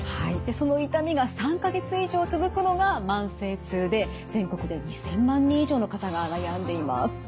その痛みが３か月以上続くのが慢性痛で全国で２，０００万人以上の方が悩んでいます。